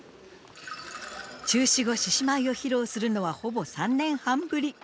中止後獅子舞を披露するのはほぼ３年半ぶり。